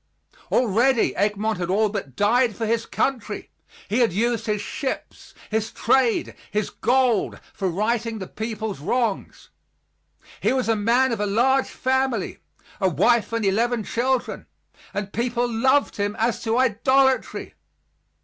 Already Egmont had all but died for his country. He had used his ships, his trade, his gold, for righting the people's wrongs. He was a man of a large family a wife and eleven children and people loved him as to idolatry.